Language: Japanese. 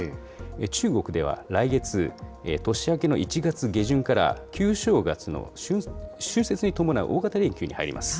中国では来月、年明けの１月下旬から旧正月の春節に伴う大型連休に入ります。